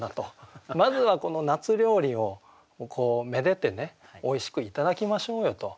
まずはこの夏料理をめでてねおいしくいただきましょうよと。